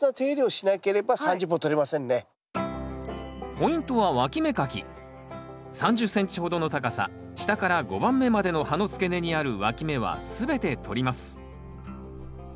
やっぱりポイントは３０ｃｍほどの高さ下から５番目までの葉の付け根にあるわき芽は全てとります。